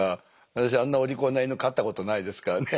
私あんなお利口なイヌ飼ったことないですからね。